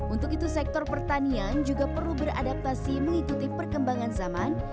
untuk itu sektor pertanian juga perlu beradaptasi mengikuti perkembangan zaman